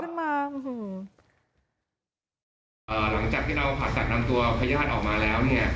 หลังจากที่เราผ่าตัดนำตัวพญาติออกมาแล้วเนี่ย